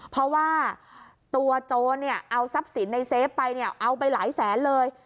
เพราะว่าตัวโจ้นเอาทรัพย์สินในเซฟไปเอาไปหลายแสนเลย